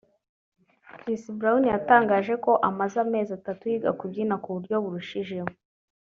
Chris Brown yatangaje ko amaze amezi atatu yiga kubyina ku buryo burushijeho